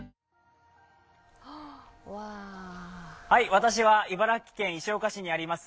私は茨城県石岡市にあります